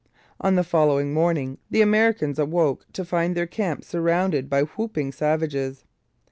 On the following morning the Americans awoke to find their camp surrounded by whooping savages.